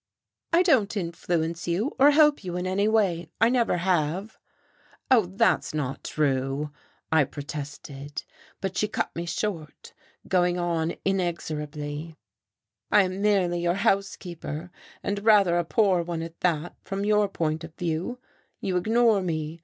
"I don't influence you, or help you in any way. I never have." "Oh, that's not true," I protested. But she cut me short, going on inexorably: "I am merely your housekeeper, and rather a poor one at that, from your point of view. You ignore me.